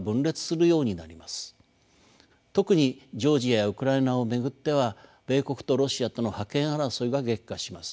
特にジョージアやウクライナを巡っては米国とロシアとの覇権争いが激化します。